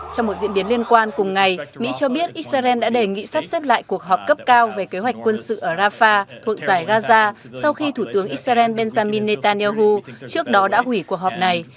trong một diễn biến liên quan cùng ngày mỹ cho biết israel đã đề nghị sắp xếp lại cuộc họp cấp cao về kế hoạch quân sự ở rafah thuộc giải gaza sau khi thủ tướng israel benjamin netanyahu trước đó đã hủy cuộc họp này